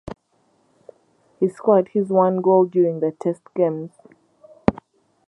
He scored his one goal during the test games.